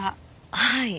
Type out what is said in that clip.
はい。